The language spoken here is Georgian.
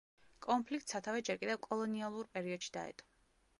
კონფლიქტს სათავე ჯერ კიდევ კოლონიალურ პერიოდში დაედო.